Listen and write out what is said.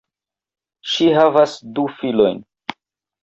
Ŝi havas du filojn.